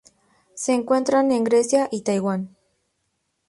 Se encuentra en Grecia y Taiwán.